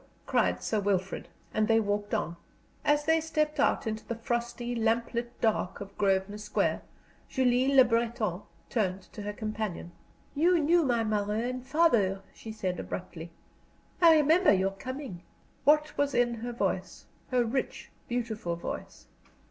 CRIED SIR WILFRID, AND THEY WALKED ON"] As they stepped out into the frosty, lamp lit dark of Grosvenor Square, Julie Le Breton turned to her companion. "You knew my mother and father," she said, abruptly. "I remember your coming," What was in her voice, her rich, beautiful voice?